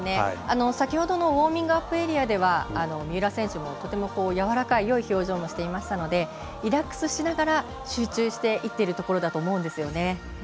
先ほどのウォーミングアップエリアでは三浦選手もとてもやわらかいよい表情もしていましたのでリラックスしながら集中していってるところだと思いますね。